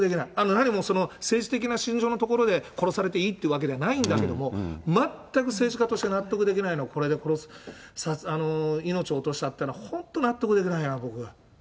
何も政治的な信条のところで、殺されていいってわけではないんだけれども、全く政治家として納得できないのは、これで、命を落としたっていうのは、本当、納得できないな、僕。